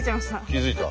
気づいた。